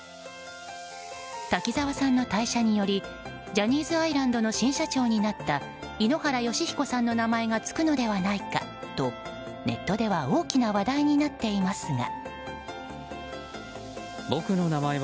滝沢さんの退社によりジャニーズアイランドの新社長になった井ノ原快彦さんの名前がつくのではないかとネットでは大きな話題になっていますが。